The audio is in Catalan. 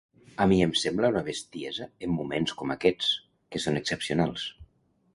A mi em sembla una bestiesa en moments com aquests, que són excepcionals.